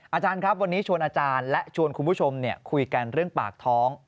อาจารย์ครับวันนี้ชวนอาจารย์และชวนคุณผู้ชมคุยกันเรื่องปากท้อง